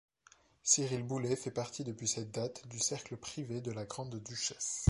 Cyrille Boulay fait partie depuis cette date du cercle privé de la grande-duchesse.